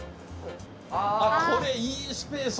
あこれいいスペース！